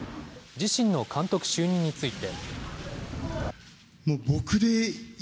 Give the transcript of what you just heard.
自身の監督就任について。